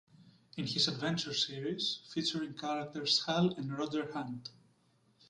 In his "Adventure" series featuring characters Hal and Roger Hunt.